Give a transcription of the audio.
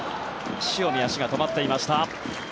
塩見、足が止まっていました。